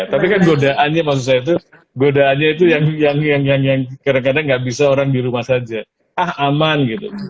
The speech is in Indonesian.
tapi kan godaannya maksud saya itu godaannya itu yang kadang kadang nggak bisa orang di rumah saja ah aman gitu